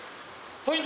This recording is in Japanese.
ポイント